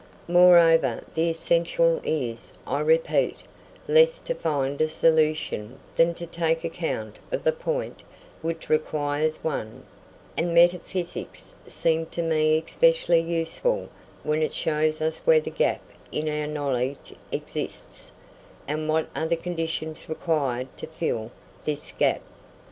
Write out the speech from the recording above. Moreover, the essential is, I repeat, less to find a solution than to take account of the point which requires one; and metaphysics seem to me especially useful when it shows us where the gap in our knowledge exists and what are the conditions required to fill this gap.